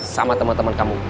sama teman teman kamu